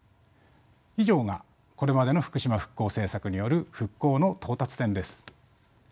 以上がこれまでの福島復興政策による復興の到達点です。